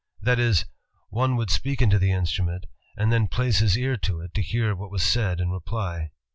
That is, one would speak into the instrument and then place his ear to it to hear what was said in reply.